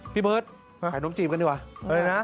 พี่เบิ้ลขายนมจีบกันดีกว่า